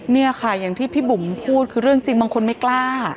เนี่ยค่ะอย่างที่พี่บุ๋มพูดคือเรื่องจริงบางคนไม่กล้า